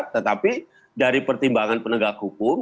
tetapi dari pertimbangan penegak hukum